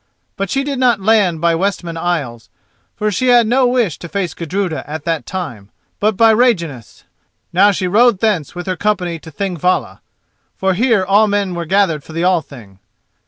But she did not land by Westman Isles, for she had no wish to face Gudruda at that time, but by Reyjaness. Now she rode thence with her company to Thingvalla, for here all men were gathered for the Thing.